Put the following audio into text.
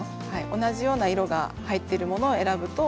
同じような色が入っているものを選ぶと。